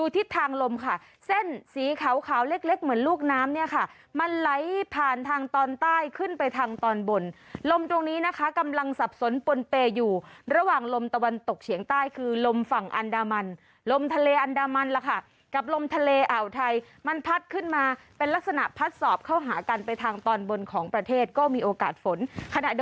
ทิศทางลมค่ะเส้นสีขาวเล็กเหมือนลูกน้ำเนี่ยค่ะมันไหลผ่านทางตอนใต้ขึ้นไปทางตอนบนลมตรงนี้นะคะกำลังสับสนปนเปย์อยู่ระหว่างลมตะวันตกเฉียงใต้คือลมฝั่งอันดามันลมทะเลอันดามันล่ะค่ะกับลมทะเลอ่าวไทยมันพัดขึ้นมาเป็นลักษณะพัดสอบเข้าหากันไปทางตอนบนของประเทศก็มีโอกาสฝน